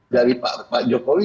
dari pak jokowi